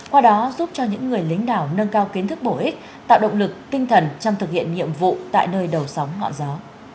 qua đó giúp cho những người lính đảo nâng cao kiến thức bổ ích tạo động lực tinh thần trong thực hiện nhiệm vụ tại nơi đầu sóng ngọn gió